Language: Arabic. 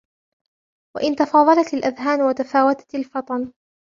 وَإِنْ تَفَاضَلَتْ الْأَذْهَانُ وَتَفَاوَتَتْ الْفَطِنُ